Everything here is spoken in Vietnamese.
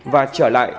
và trở lại